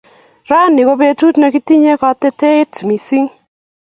raini ko petut netinye kaititiet missing